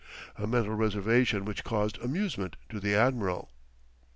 A mental reservation which caused amusement to the admiral.